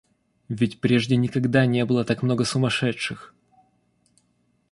— Ведь прежде никогда не было так много сумасшедших!